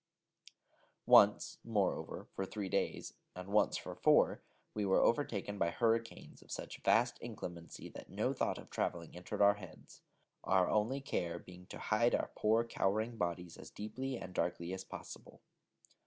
Once, moreover, for three days, and once for four, we were overtaken by hurricanes of such vast inclemency, that no thought of travelling entered our heads, our only care being to hide our poor cowering bodies as deeply and darkly as possible.